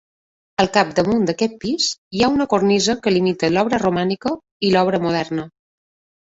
Al capdamunt d'aquest pis hi ha una cornisa que limita l'obra romànica i l'obra moderna.